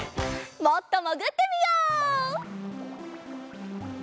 もっともぐってみよう！